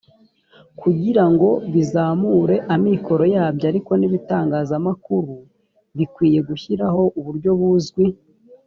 kugira ngo bizamure amikoro yabyo ariko n ibitangazamakuru bikwiye gushyiraho uburyo buzwi